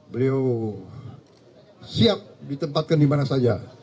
beliau siap ditempatkan dimana saja